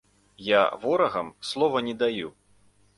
Я ворагам слова не даю.